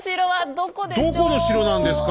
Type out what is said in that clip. どこの城なんですか？